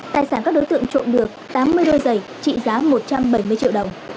tài sản các đối tượng trộm được tám mươi đôi giày trị giá một trăm bảy mươi triệu đồng